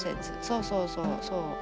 そうそうそうそう。